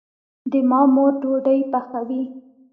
د ما مور ډوډي پخوي